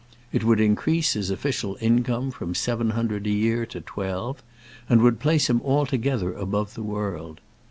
It would increase his official income from seven hundred a year to twelve, and would place him altogether above the world.